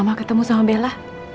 mama ketemu sama bella